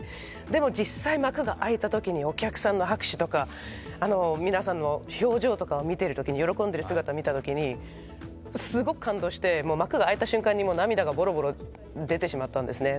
でも実際、幕が開いたときにお客さんの拍手とか、皆さんの表情とかを見ているときに、喜んだ姿とかを見たときにすごく感動して、幕が開いた瞬間に涙がボロボロ出てしまったんですね。